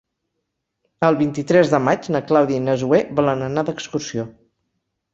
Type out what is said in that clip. El vint-i-tres de maig na Clàudia i na Zoè volen anar d'excursió.